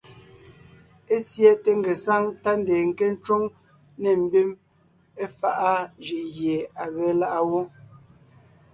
Ésiɛte ngesáŋ tá ndeen nke ńcwóŋ nê mbim éfaʼa jʉʼ gie à ge láʼa wó.